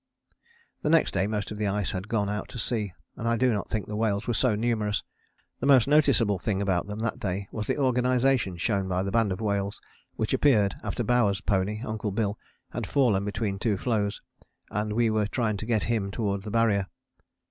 The next day most of the ice had gone out to sea, and I do not think the whales were so numerous. The most noticeable thing about them that day was the organization shown by the band of whales which appeared after Bowers' pony, Uncle Bill, had fallen between two floes, and we were trying to get him towards the Barrier.